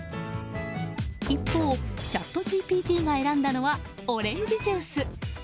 一方、チャットＧＰＴが選んだのはオレンジジュース。